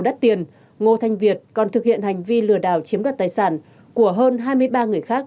đắt tiền ngô thanh việt còn thực hiện hành vi lừa đảo chiếm đoạt tài sản của hơn hai mươi ba người khác